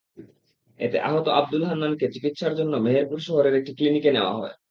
এতে আহত আবদুল হান্নানকে চিকিৎসার জন্য মেহেরপুর শহরের একটি ক্লিনিকে নেওয়া হয়।